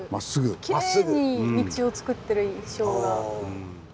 きれいに道をつくってる印象が。